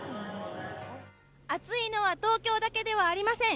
暑いのは東京だけではありません。